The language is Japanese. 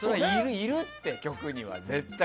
いるって、局には絶対。